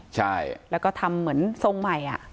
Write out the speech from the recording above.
ใช่แล้วก็ทำเหมือนทรงใหม่